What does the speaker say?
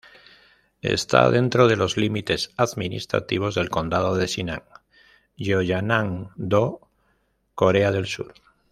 Está dentro de los límites administrativos del condado de Sinan, Jeollanam-do, Corea del Sur.